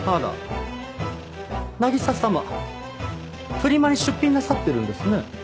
フリマに出品なさってるんですね。